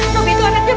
robby itu anaknya baik